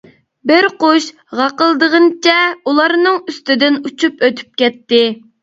بىر قۇش غاقىلدىغىنىچە ئۇلارنىڭ ئۈستىدىن ئۇچۇپ ئۆتۈپ كەتتى.